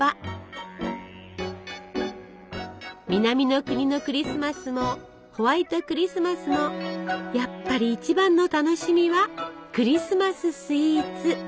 南の国のクリスマスもホワイトクリスマスもやっぱり一番の楽しみはクリスマススイーツ。